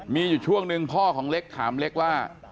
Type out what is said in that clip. มีอยู่ช่วงหนึ่งพ่อของเล็กถามเล็กว่า